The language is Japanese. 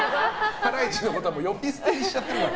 ハライチのことはもう呼び捨てにしちゃってる。